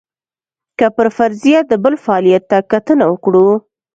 که پر فرضیه د بل فعالیت ته کتنه وکړو.